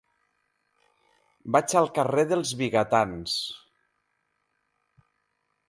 Vaig al carrer dels Vigatans.